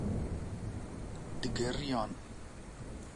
digeriyan